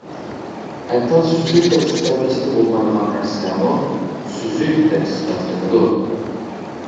ھەتتا سۈزۈك دەپ سۈپەتلەشكە بولمايدىغان نەرسىلەرمۇ سۈزۈك دەپ سۈپەتلىنىدۇ.